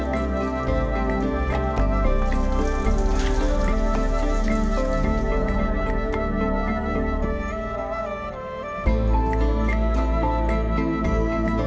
kalau kira kira kira kira di atoms danputer mereka pasti banyak ada